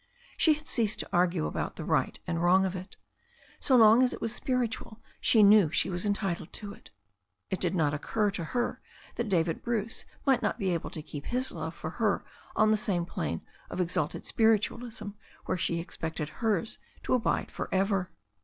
She had ceased to argue about the right and wrong of it. So long as it was spiritual she knew she was entitled to it. It did not occur to her that David Bruce might not be able to keep his love for her on the same plane of exalted spiritualism where she expected hers to abide for ever.